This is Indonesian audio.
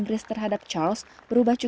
menyerahkan diri sendiri